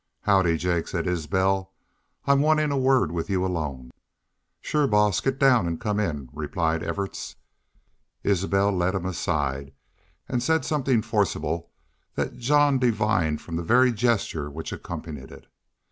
"Howdy, Jake!" said Isbel. "I'm wantin' a word with y'u alone." "Shore, boss, git down an' come in," replied Evarts. Isbel led him aside, and said something forcible that Jean divined from the very gesture which accompanied it.